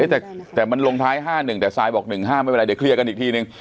เอ๊ะแต่แต่มันลงท้ายห้าหนึ่งแต่สายบอกหนึ่งห้าไม่เป็นไรเดี๋ยวเคลียร์กันอีกทีหนึ่ง